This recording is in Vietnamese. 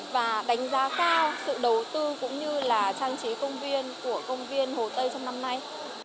và đánh giá cao sự đầu tư cũng như là trang trí công viên của công viên hồ tây trong năm nay